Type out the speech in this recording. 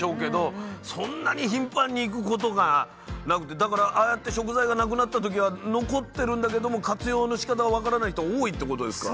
そんなに頻繁に行くことがなくてだからああやって食材が無くなった時は残ってるんだけども活用のしかたが分からない人多いってことですか？